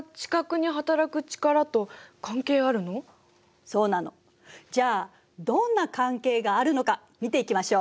じゃあどんな関係があるのか見ていきましょう。